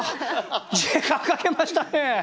時間かけましたね。